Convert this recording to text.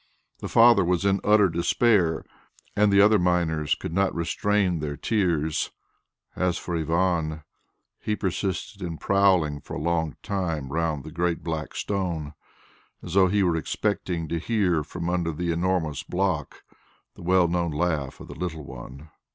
His father was in utter despair and the other miners could not restrain their tears; as for Ivan, he persisted in prowling for a long time round the great black stone, as though he were expecting to hear from under the enormous block the well known laugh of the little one.